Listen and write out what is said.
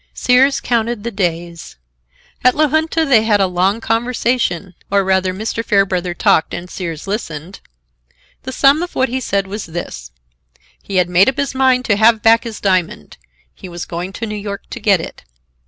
Sears counted the days. At La Junta they had a long conversation; or rather Mr. Fairbrother talked and Sears listened. The sum of what he said was this: He had made up his mind to have back his diamond. He was going to New York to get it.